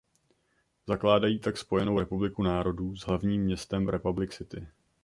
Zakládají tak Spojenou republiku národů s hlavním městem Republic City.